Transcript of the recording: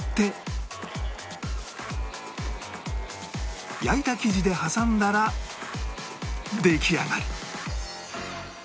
先ほど焼いた生地で挟んだら出来上がり